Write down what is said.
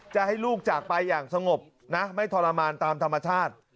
จะให้ลูกจากไปอย่างสงบนะไม่ทรมานตามธรรมชาติ